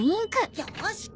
よし！